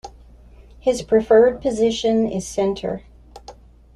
His preferred position is centre.